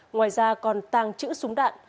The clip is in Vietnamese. ngoài ra còn tàng trữ súng đạn